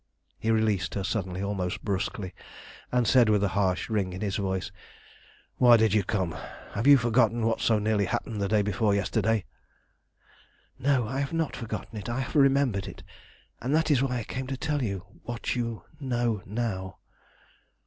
He released her suddenly, almost brusquely, and said with a harsh ring in his voice "Why did you come? Have you forgotten what so nearly happened the day before yesterday?" "No, I have not forgotten it. I have remembered it, and that is why I came to tell you what you know now."